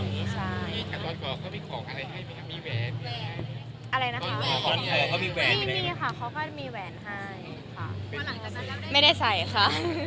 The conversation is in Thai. เขาก็มีแหวนให้ไม่ได้ใส่ค่ะ